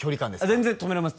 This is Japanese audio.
全然泊められます